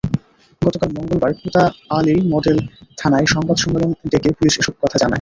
গতকাল মঙ্গলবার কোতোয়ালি মডেল থানায় সংবাদ সম্মেলন ডেকে পুলিশ এসব কথা জানায়।